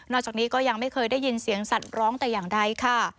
จากนี้ก็ยังไม่เคยได้ยินเสียงสัตว์ร้องแต่อย่างใดค่ะ